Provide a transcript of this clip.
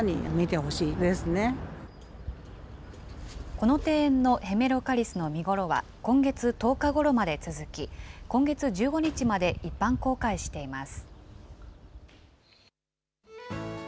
この庭園のヘメロカリスの見頃は今月１０日ごろまで続き、今月１５日まで一般公開しています。